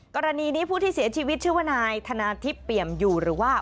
กรณีนี้ผู้ที่เสียชีวิตชื่อว่านายธนาทิพย์เปี่ยมอยู่หรือว่า